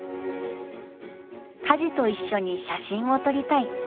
カジと一緒に写真を撮りたい。